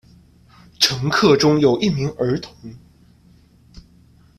乘客中有一名儿童。